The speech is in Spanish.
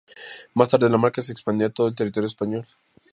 Más tarde, la marca se expandió a todo el territorio español.